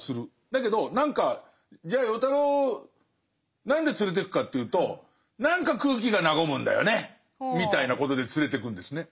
だけど何かじゃあ与太郎何で連れてくかというと何か空気が和むんだよねみたいなことで連れてくんですね。